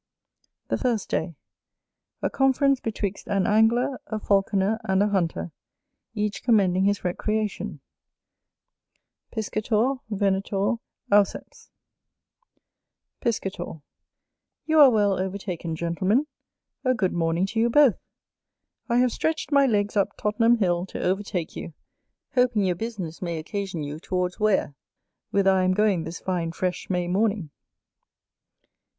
The first day A Conference betwixt an Angler, a Falconer, and a Hunter, each commending his Recreation Chapter I Piscator, Venator, Auceps Piscator. You are well overtaken, Gentlemen! A good morning to you both! I have stretched my legs up Tottenham Hill to overtake you, hoping your business may occasion you towards Ware, whither I am going this fine fresh May morning.